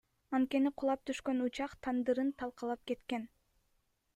Анткени кулап түшкөн учак тандырын талкалап кеткен.